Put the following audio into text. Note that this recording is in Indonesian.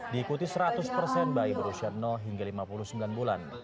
diikuti seratus persen bayi berusia hingga lima puluh sembilan bulan